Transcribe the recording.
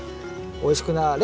おいしくなれ。